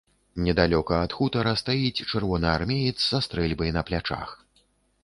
Недалёка ад хутара стаіць чырвонаармеец са стрэльбай на плячах.